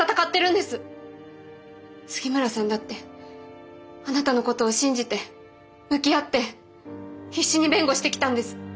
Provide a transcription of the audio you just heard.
杉村さんだってあなたのことを信じて向き合って必死に弁護してきたんです。